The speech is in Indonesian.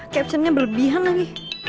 captionnya berlebihan lagi